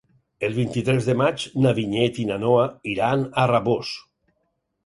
El vint-i-tres de maig na Vinyet i na Noa iran a Rabós.